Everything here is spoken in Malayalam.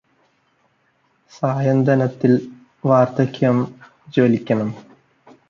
സായന്തനത്തില് വാര്ദ്ധക്യം ജ്വലിക്കണം